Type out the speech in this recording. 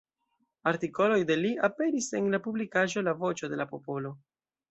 Artikoloj de li aperis en la publikaĵo "La Voĉo de la Popolo".